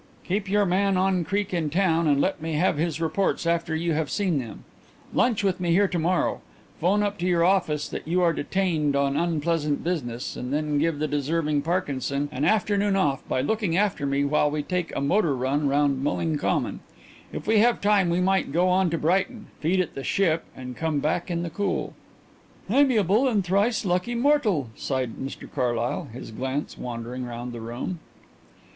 "Keep your man on Creake in town and let me have his reports after you have seen them. Lunch with me here now. 'Phone up to your office that you are detained on unpleasant business and then give the deserving Parkinson an afternoon off by looking after me while we take a motor run round Mulling Common. If we have time we might go on to Brighton, feed at the 'Ship,' and come back in the cool." "Amiable and thrice lucky mortal," sighed Mr Carlyle, his glance wandering round the room.